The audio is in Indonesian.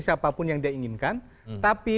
siapapun yang dia inginkan tapi